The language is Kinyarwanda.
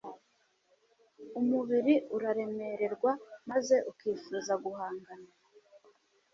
Umubiri uraremererwa maze ukifuza guhangana